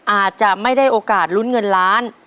อาจจะไม่ได้โอกาสลุ้นเงินล้าน